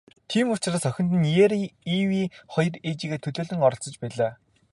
Тийм учраас охид нь, Ирене Эве хоёр ээжийгээ төлөөлөн оролцож байлаа.